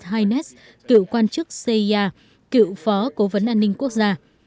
bà avril lavigne cựu quan chức cia cựu phó cố vấn an ninh quốc gia